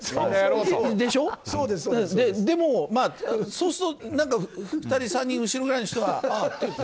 でも、そうすると２人、３人後ろぐらいの人が、あって。